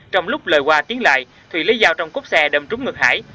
trong lúc lời qua tiến lại thùy lấy dao trong cốt xe đâm trúng ngực hải